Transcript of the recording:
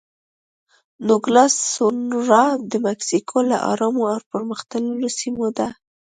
نوګالس سونورا د مکسیکو له ارامو او پرمختللو سیمو ده.